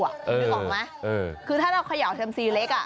คุณรู้หรือไม่คือถ้าเราเขย่าเซียมซีเล็ก